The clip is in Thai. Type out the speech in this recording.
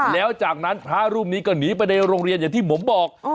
แล้วจากนั้นพระรูปนี้ก็หนีไปในโรงเรียนอย่างที่ผมบอก